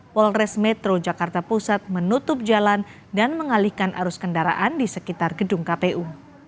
polres metro jakarta pusat menutup jalan dan mengalihkan arus kendaraan di sekitar gedung kpu